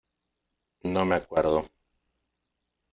no me acuerdo.